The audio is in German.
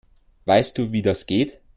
Weißt du, wie das geht?